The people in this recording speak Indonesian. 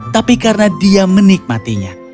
tapi karena dia menikmatinya